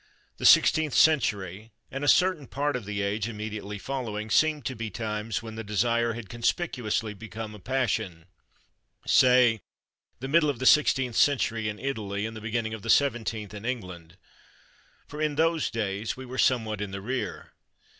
The sixteenth century and a certain part of the age immediately following seem to be times when the desire had conspicuously become a passion. Say the middle of the sixteenth century in Italy and the beginning of the seventeenth in England for in those days we were somewhat in the rear.